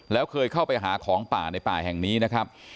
แล้วเคยเข้าไปหาของป่าในป่าแห่งนี้นะครับ